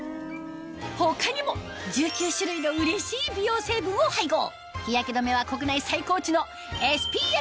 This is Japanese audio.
他にも１９種類のうれしい美容成分を配合